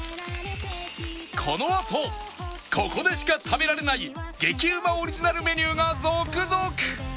このあとここでしか食べられない激うまオリジナルメニューが続々！